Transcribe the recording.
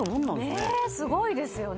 ねっすごいですよね。